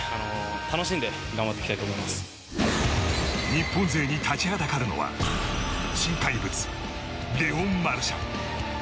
日本勢に立ちはだかるのは新怪物、レオン・マルシャン。